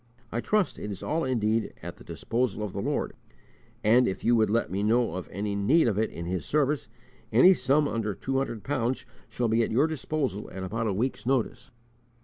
I trust it is all indeed at the disposal of the Lord; and, if you would let me know of any need of it in His service, any sum under two hundred pounds shall be at your disposal at about a week's notice."